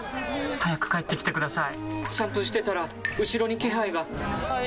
早く帰ってきてください！